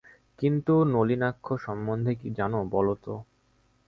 কিন্তু নলিনাক্ষ সম্বন্ধে কী জান, বলো তো।